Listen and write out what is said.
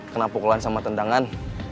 kena pukulan sama tendangan